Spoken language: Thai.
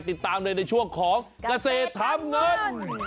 ติดตามเลยในช่วงของเกษตรทำเงิน